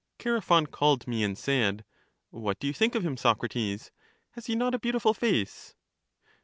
Chaerephon called me and said: What do you think of him, Socrates? Has he not a beautiful face?